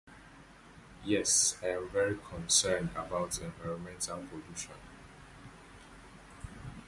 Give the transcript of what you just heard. Yes, I am very concerned about environmental pollution.